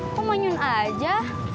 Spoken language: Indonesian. kok manyun aja